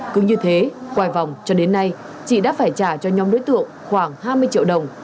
cứ như thế quay vòng cho đến nay chị đã phải trả cho nhóm đối tượng khoảng hai mươi triệu đồng